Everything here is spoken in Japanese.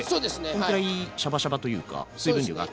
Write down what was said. このくらいシャバシャバというか水分量があってもね。